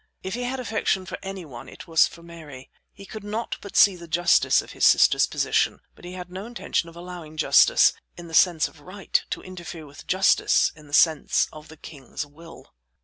If he had affection for any one it was for Mary. He could not but see the justice of his sister's position, but he had no intention of allowing justice, in the sense of right, to interfere with justice in the sense of the king's will.